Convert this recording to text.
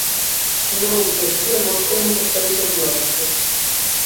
No outro extremo temos os países nórdicos.